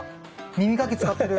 耳かき使ってる。